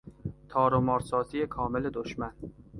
تارومار سازی کامل دشمن